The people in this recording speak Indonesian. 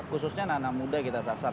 khususnya anak anak muda kita sasar